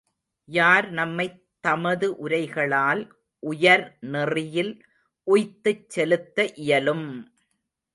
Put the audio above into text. யார் நம்மைத் தமது உரைகளால் உயர் நெறியில் உய்த்துச் செலுத்த இயலும்!